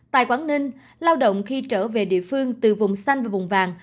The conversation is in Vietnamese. tại quảng ninh lao động khi trở về địa phương từ vùng xanh và vùng vàng